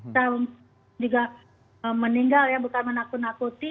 dan juga meninggal ya bukan menakut nakuti